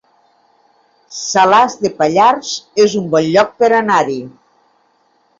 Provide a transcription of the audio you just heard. Salàs de Pallars es un bon lloc per anar-hi